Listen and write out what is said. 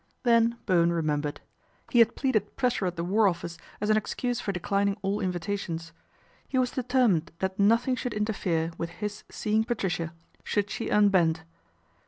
Then Bowen remembered. He had pleaded pressure at the War Office as an excuse for declin ing all invitations. He was determined that nothing should interfere with his seeing Patricia should she unbend.